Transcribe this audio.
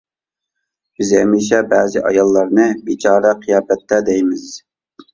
بىز ھەمىشە، بەزى ئاياللارنى بىچارە قىياپەتتە دەيمىز.